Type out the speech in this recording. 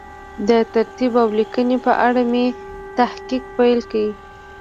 د ترتیب او لیکنې په اړه مې تحقیق پیل کړ.